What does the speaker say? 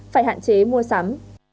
phải hạn chế mua sắm